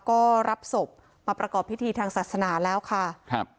ก็รับศพมาประกอบพิธีทางศาสนาแล้วค่ะครับ